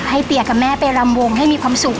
เปียกับแม่ไปรำวงให้มีความสุข